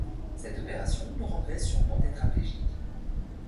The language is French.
Cette opération le rendrait sûrement tétraplégique.